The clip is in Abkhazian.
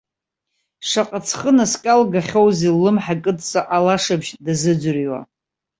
Шаҟа ҵхы наскьалгахьоузеи, ллымҳа кыдҵа алашыбжь дазыӡырҩуа.